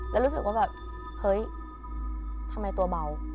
แล้วรู้สึกว่าแบบเฮ้ยทำไมตัวเบา